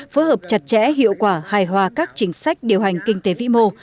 phối hợp chặt chẽ hiệu quả hài hòa các chính sách điều hành kinh tế vĩ mô